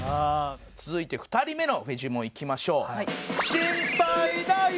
続いて２人目のフィジモンいきましょう。